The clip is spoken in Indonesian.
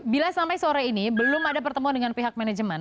bila sampai sore ini belum ada pertemuan dengan pihak manajemen